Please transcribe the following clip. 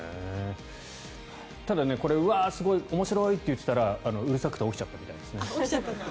ただ、面白いって言ってたらうるさくて起きちゃったみたいですね。